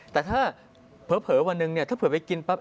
แต่ถ้าเผลอวันหนึ่งถ้าเผื่อไปกินปั๊บ